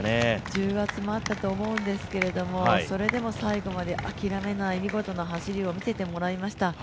重圧もあったと思うんですけどそれでも最後まで諦めない見事な走りを見せてもらいました。